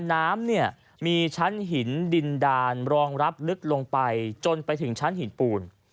น้ำเนี่ยมีชั้นหินดินดานรองรับลึกลงไปจนไปถึงชั้นหินปูน